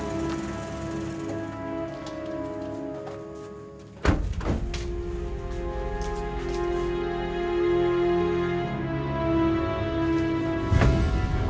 aku mau pergi